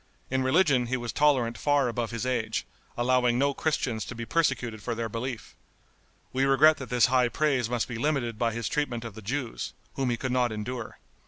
In religion he was tolerant far above his age, allowing no Christians to be persecuted for their belief. We regret that this high praise must be limited by his treatment of the Jews, whom he could not endure.